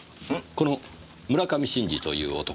この村上真治という男